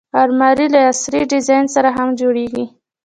الماري له عصري ډیزاین سره هم جوړیږي